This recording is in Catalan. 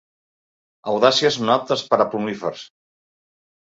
Audàcies no aptes per a plomífers.